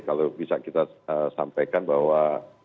kalau bisa kita sampaikan bahwa